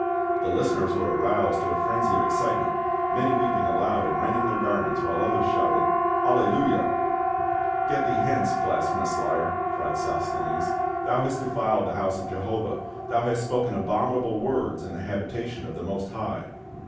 The listeners were aroused to a frenzy of excitement, many weeping aloud and rending their garments, while others shouted " Alle luia !"" Get thee hence, blasphemous liar," cried Sosthenes. " Thou hast defiled the house of Jehovah ; thou hast spoken abominable words in the habitation of the Most High